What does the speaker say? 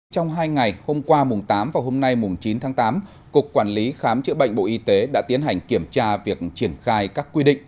trong hai ngày hôm qua mùng tám và hôm nay mùng chín tháng tám cục quản lý khám chữa bệnh bộ y tế đã tiến hành kiểm tra việc triển khai các quy định